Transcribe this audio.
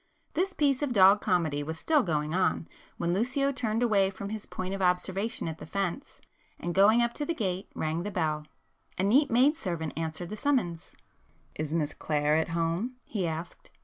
This piece of dog comedy was still going on, when Lucio turned away from his point of observation at the fence, and going up to the gate, rang the bell. A neat maid servant answered the summons. "Is Miss Clare at home?" he asked.